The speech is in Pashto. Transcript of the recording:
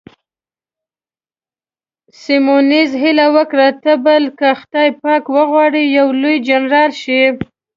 سیمونز هیله وکړه، ته به که خدای پاک وغواړي یو لوی جنرال شې.